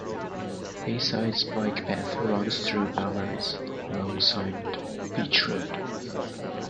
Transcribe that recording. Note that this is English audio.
Bayside's bike path runs through Beaumaris, alongside Beach Road.